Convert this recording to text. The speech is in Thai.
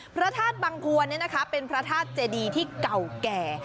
พระธาตุบังควรเป็นพระธาตุเจดีที่เก่าแก่